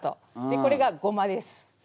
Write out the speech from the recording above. でこれがゴマです。